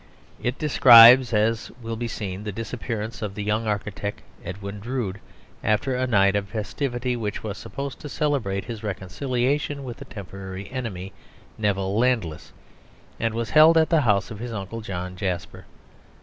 It describes, as will be seen, the disappearance of the young architect Edwin Drood after a night of festivity which was supposed to celebrate his reconciliation with a temporary enemy, Neville Landless, and was held at the house of his uncle John Jasper.